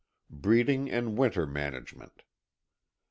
16.ŌĆöBreeding and Winter Management.